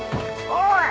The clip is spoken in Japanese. おい！